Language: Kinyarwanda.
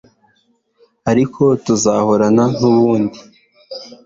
ariko tuzahorana n'ubundi